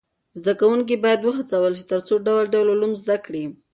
زده کوونکي باید و هڅول سي تر څو ډول ډول علوم زده کړي.